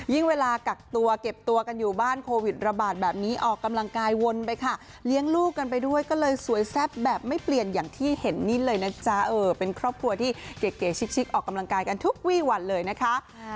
เวลากักตัวเก็บตัวกันอยู่บ้านโควิดระบาดแบบนี้ออกกำลังกายวนไปค่ะเลี้ยงลูกกันไปด้วยก็เลยสวยแซ่บแบบไม่เปลี่ยนอย่างที่เห็นนี่เลยนะจ๊ะเป็นครอบครัวที่เก๋ชิกออกกำลังกายกันทุกวี่วันเลยนะคะ